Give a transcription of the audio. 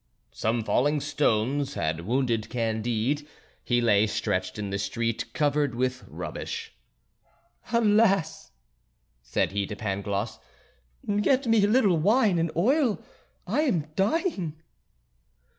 Some falling stones had wounded Candide. He lay stretched in the street covered with rubbish. "Alas!" said he to Pangloss, "get me a little wine and oil; I am dying."